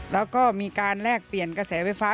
แล้วก็มีการแลกเปลี่ยนกระแสไฟฟ้า